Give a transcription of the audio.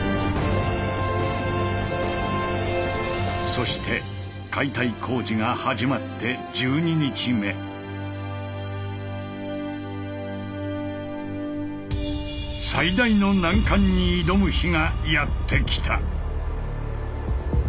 そして解体工事が始まって１２日目。に挑む日がやって来た。